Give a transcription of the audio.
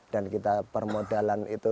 dan kita permodalan itu